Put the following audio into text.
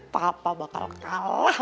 papa bakal kalah